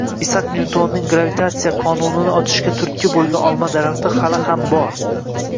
Isaak Nyutonning gravitatsiya qonunini ochishiga turtki boʻlgan olma daraxti hali ham bor.